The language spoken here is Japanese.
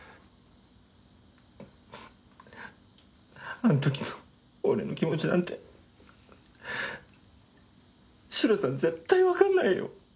あのときの俺の気持ちなんてシロさん絶対わかんないよ。